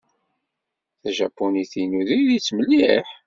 Tajapunit-inu diri-tt mliḥ.